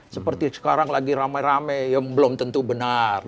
seperti sekarang lagi rame rame yang belum tentu benar